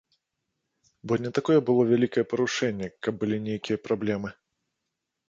Бо не такое вялікае было парушэнне, каб былі нейкія праблемы.